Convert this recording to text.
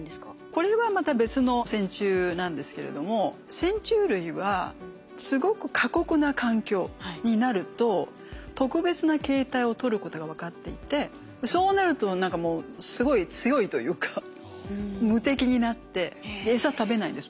これはまた別の線虫なんですけれども線虫類はすごく過酷な環境になると特別な形態を取ることが分かっていてそうなると何かもうすごい強いというか無敵になって餌食べないんです。